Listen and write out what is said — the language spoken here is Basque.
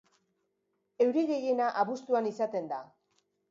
Euri gehiena abuztuan izaten da.